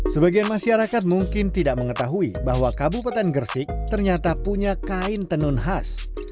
sebagian masyarakat mungkin tidak mengetahui bahwa kabupaten gresik ternyata punya kain tenun khas